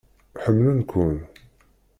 Ḥemmlen-ken.